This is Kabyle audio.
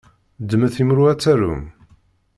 Ddmet imru ad tarum!